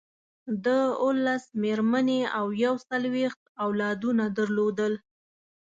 ده اوولس مېرمنې او یو څلویښت اولادونه درلودل.